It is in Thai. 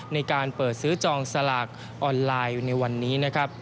ในการเปิดซื้อจองสลากออนไลน์ในวันนี้